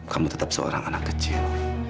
kamu tetap seorang anak kecil